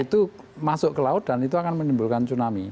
itu masuk ke laut dan itu akan menimbulkan tsunami